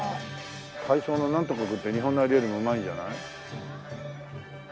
体操のなんとか君っていう日本のあれよりもうまいんじゃない？